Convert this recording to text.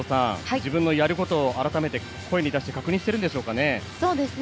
自分のやることを改めて声に出して確認しているんでしょうかね。